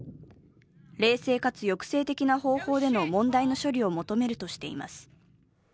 冷静かつ抑制的な方法での問題の処理を求めるとしています。